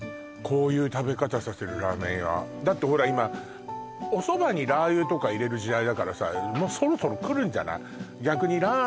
こういう食べ方させるラーメン屋だってほら今おそばにラー油とか入れる時代だからさもうそろそろ来るんじゃない？